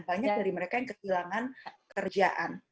banyak dari mereka yang kehilangan kerjaan